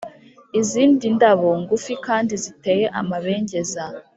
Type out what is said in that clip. izindi ndabo ngufi kandi ziteye amabengeza.